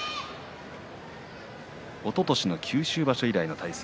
おととしの九州場所以来の対戦。